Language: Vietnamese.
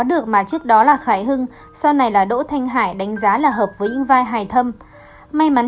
được mà trước đó là khải hưng sau này là đỗ thanh hải đánh giá là hợp với những vai thâm may mắn